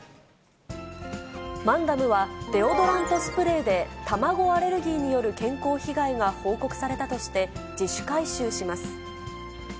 マンダムは、デオドラントスプレーで卵アレルギーによる健康被害が報告されたとして、自主回収します。